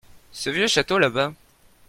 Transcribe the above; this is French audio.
Ce vieux château là-bas.